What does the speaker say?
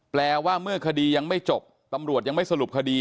แปลว่าเมื่อคดียังไม่จบตำรวจยังไม่สรุปคดี